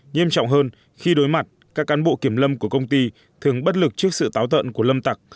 nghiêm trọng hơn khi đối mặt các cán bộ kiểm lâm của công ty thường bất lực trước sự táo tận của lâm tặc